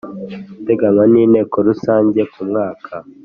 uteganywa n’Inteko Rusange ku mwaka